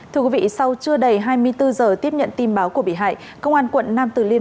thưa quý vị sau chưa đầy hai mươi bốn giờ tiếp nhận tin báo của bị hại công an quận nam từ liêm